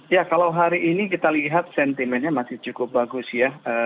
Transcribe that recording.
ya kalau hari ini kita lihat sentimennya masih cukup bagus ya